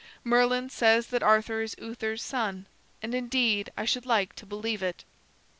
Merlin says that Arthur is Uther's son, and indeed I should like to believe it."